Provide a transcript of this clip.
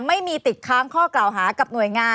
ไม่มีติดค้างข้อกล่าวหากับหน่วยงาน